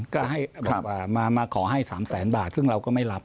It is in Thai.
ก็ให้มาขอให้๓แสนบาทซึ่งเราก็ไม่รับ